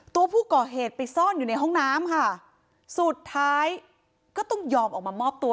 ตัวผู้ก่อเหตุไปซ่อนอยู่ในห้องน้ำค่ะสุดท้ายก็ต้องยอมออกมามอบตัว